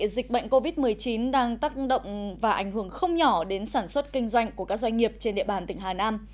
dịch bệnh covid một mươi chín đang tác động và ảnh hưởng không nhỏ đến sản xuất kinh doanh của các doanh nghiệp trên địa bàn tỉnh hà nam